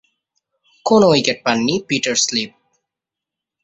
কোন উইকেট পাননি Peter slip.